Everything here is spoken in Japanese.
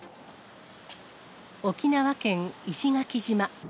沖縄県石垣島。